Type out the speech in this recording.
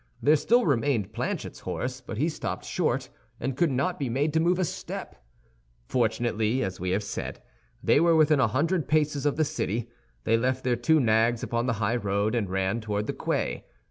There still remained Planchet's horse; but he stopped short, and could not be made to move a step. Fortunately, as we have said, they were within a hundred paces of the city; they left their two nags upon the high road, and ran toward the quay.